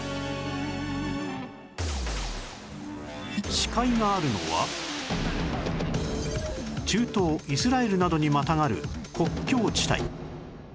死海があるのは中東イスラエルなどにまたがる国境地帯